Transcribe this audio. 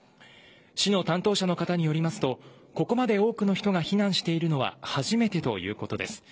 市の担当者の方によりますとここまで多くの人が避難しているのは初めてということです。